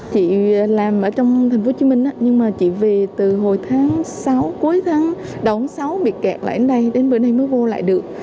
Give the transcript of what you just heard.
chị làm ở trong tp hcm nhưng mà chị về từ hồi tháng sáu cuối tháng đón sáu bị kẹt lại đến đây đến bữa nay mới vô lại được